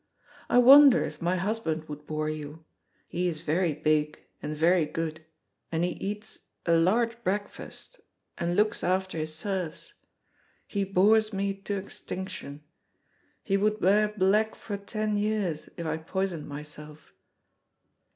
I wonder if my husband would bore you. He is very big, and very good, and he eats a large breakfast, and looks after his serfs. He bores me to extinction. He would wear black for ten years if I poisoned myself."